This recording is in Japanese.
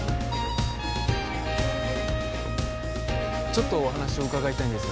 ちょっとお話を伺いたいんですが。